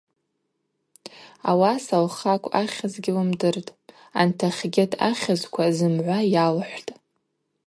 Ауаса лхакв ахьыз гьлымдыртӏ, антахьгьыт ахьызква зымгӏва йалхӏвтӏ.